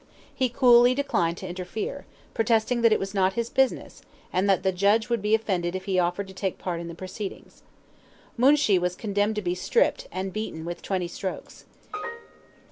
He coolly declined to interfere, protesting that it was not his business, and that the judge would be offended if he offered to take part in the proceedings. Moonshee was condemned to be stripped, and beaten with twenty strokes.